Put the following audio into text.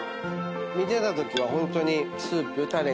見てたときはホントにスープ。